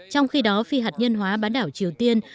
trong khi đó phi hạt nhân hóa bán đảo triều tiên